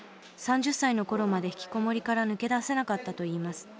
３０歳の頃まで引きこもりから抜け出せなかったと言います。